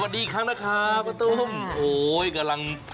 สวัสดีอีกครั้งนะครับประตุ้มโอ๋วกำลัง